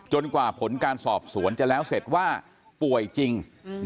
กว่าผลการสอบสวนจะแล้วเสร็จว่าป่วยจริง